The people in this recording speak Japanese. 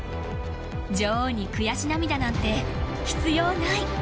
女王に悔し涙なんて必要ない。